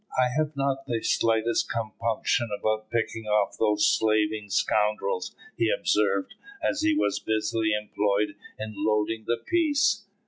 "I have not the slightest compunction about picking off those slaving scoundrels," he observed, as he was busily employed in loading his piece.